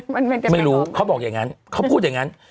ไม่รู้เขาบอกอย่างงั้นเขาพูดอย่างงั้น